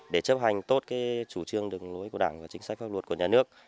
để chấp hành tốt chủ trương đường lối của đảng và chính sách pháp luật của nhà nước